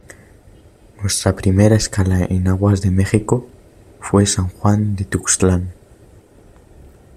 nuestra primera escala en aguas de México, fué San Juan de Tuxtlan.